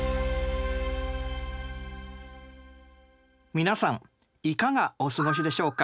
皆さんいかがお過ごしでしょうか？